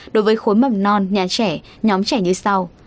đối với khối mầm non nhà trẻ nhóm trẻ như sau